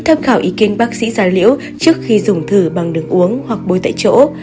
tham khảo ý kiến bác sĩ gia liễu trước khi dùng thử bằng đường uống hoặc bôi tại chỗ